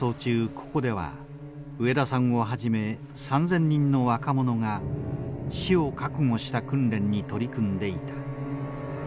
ここでは植田さんをはじめ３，０００人の若者が死を覚悟した訓練に取り組んでいた。